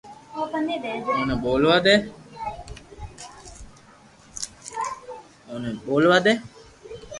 اوني ٻولوا دي